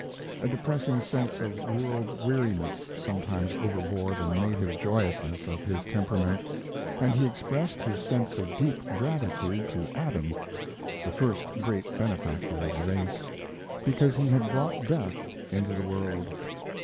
A depressing sense of world weariness sometimes overbore the native joyousness of his temperament; and he expressed his sense of deep gratitude to Adam, the first great benefactor of the race because he had brought death into the world.